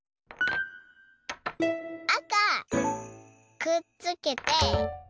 あかくっつけて。